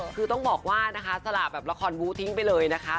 คือต้องบอกว่านะคะสละแบบละครบู้ทิ้งไปเลยนะคะ